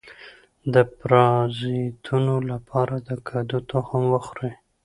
د پرازیتونو لپاره د کدو تخم وخورئ